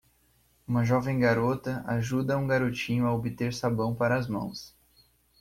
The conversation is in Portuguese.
Uma jovem garota ajuda um garotinho a obter sabão para as mãos.